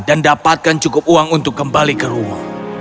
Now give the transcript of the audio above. dan dapatkan cukup uang untuk kembali ke rumah